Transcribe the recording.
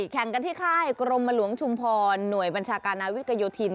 แข่งกันที่ค่ายกรมหลวงชุมพรหน่วยบัญชาการนาวิกยโยธิน